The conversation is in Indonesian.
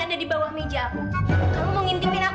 ada di bawah meja aku